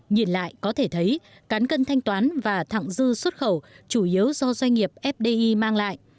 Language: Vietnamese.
nhìn lại có thể thấy cán cân thanh toán và thẳng dư xuất khẩu chủ yếu do doanh nghiệp fdi mang lại